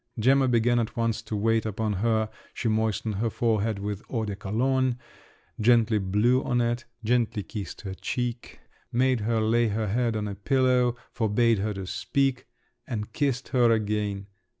Gemma began at once to wait upon her; she moistened her forehead with eau de Cologne, gently blew on it, gently kissed her cheek, made her lay her head on a pillow, forbade her to speak, and kissed her again.